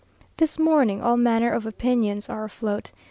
This morning all manner of opinions are afloat.